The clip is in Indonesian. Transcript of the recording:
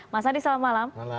mas adis selamat malam